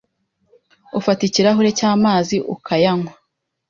ufata ikirahure cy’amazi ukayanywa